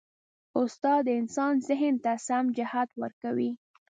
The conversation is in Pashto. استاد د انسان ذهن ته سم جهت ورکوي.